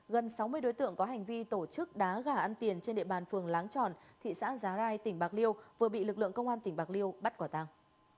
gần sáu mươi đối tượng có hành vi tổ chức đá gà ăn tiền trên địa bàn phường láng tròn thị xã giá rai tỉnh bạc liêu vừa bị lực lượng công an tỉnh bạc liêu bắt quả tàng